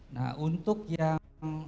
nah untuk yang